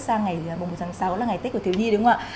sang ngày một tháng sáu là ngày tết của thiếu nhi đúng không ạ